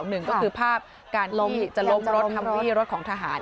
หนึ่งก็คือภาพการล้มจะล้มรถฮัมวี่รถของทหาร